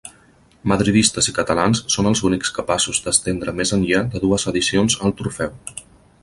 Madridistes i catalans són els únics capaços d'estendre més enllà de dues edicions el trofeu.